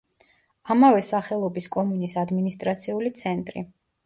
ამავე სახელობის კომუნის ადმინისტრაციული ცენტრი.